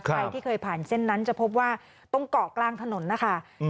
ใครที่เคยผ่านเส้นนั้นจะพบว่าตรงเกาะกลางถนนนะคะ